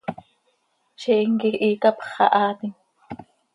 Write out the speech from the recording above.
Ziix himquij hiic hapx mahaatim.